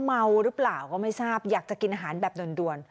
เมาหรือเปล่าก็ไม่ทราบอยากจะกินอาหารแบบด่วน